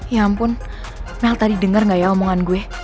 ya ampun mel tadi dengar gak ya omongan gue